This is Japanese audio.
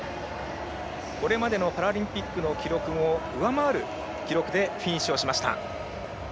これまでのパラリンピックの記録を上回る記録でフィニッシュをしました。